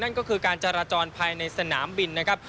ก็คือการจราจรภายในสนามบินนะครับ